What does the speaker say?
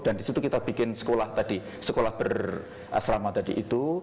dan di situ kita bikin sekolah tadi sekolah berasrama tadi itu